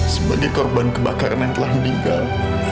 sebagai korban kebakaran yang telah meninggal